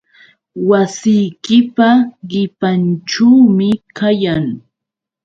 Wasiykipa qipanćhuumi kayan.